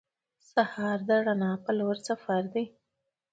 سهار د رڼا په لور سفر دی.